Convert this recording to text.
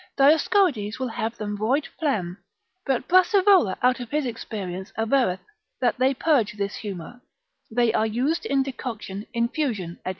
Dioscorides will have them void phlegm; but Brassivola out of his experience averreth, that they purge this humour; they are used in decoction, infusion, &c.